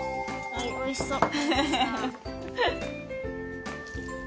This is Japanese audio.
おいしそう。